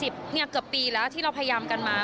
เกือบปีแล้วที่เราพยายามกันมา